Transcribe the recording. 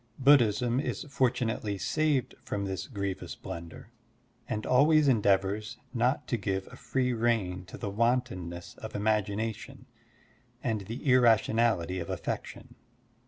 Buddhism is fortunately saved from this grievous blunder, and always endeavors not to give a free rein to the wantonness of imagination and the irra tionality of affection.